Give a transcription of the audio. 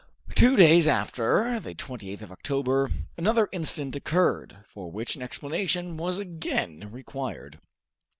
Two days after the 28th of October another incident occurred, for which an explanation was again required.